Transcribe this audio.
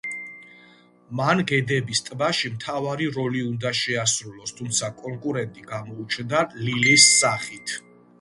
მან გედების ტბაში მთავარი როლი უნდა შეასრულოს, თუმცა კონკურენტი გამოუჩნდება ლილის სახით.